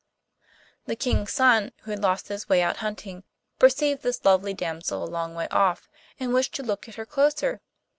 The King's son, who had lost his way out hunting, perceived this lovely damsel a long way off, and wished to look at her closer.